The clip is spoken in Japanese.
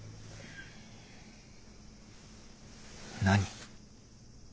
何？